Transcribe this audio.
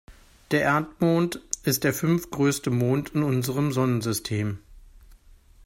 Der Erdmond ist der fünftgrößte Mond in unserem Sonnensystem.